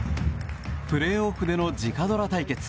プレーオフでの直ドラ対決。